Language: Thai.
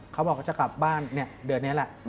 เขาบอกเขาจะกลับบ้านเดือนนี้แหละ